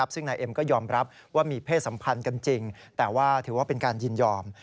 ซึ่งนายเอ็มก็ยอมรับว่ามีเพศสัมพันธ์กันจริงแต่ว่าถือว่าเป็นการยินยอม